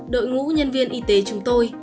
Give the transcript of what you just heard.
đội ngũ nhân viên y tế chúng tôi